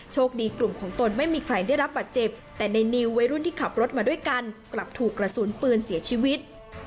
กลุ่มของตนไม่มีใครได้รับบาดเจ็บแต่ในนิววัยรุ่นที่ขับรถมาด้วยกันกลับถูกกระสุนปืนเสียชีวิต